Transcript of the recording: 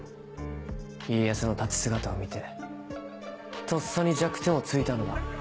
家康の立ち姿を見てとっさに弱点を突いたのだ。